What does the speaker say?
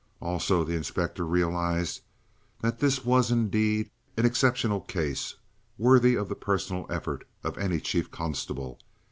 Also, the inspector realized that this was, indeed, an exceptional case worthy of the personal effort of any Chief Constable.